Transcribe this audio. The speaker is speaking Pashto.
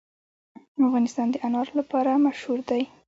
افغانستان د انار لپاره مشهور دی.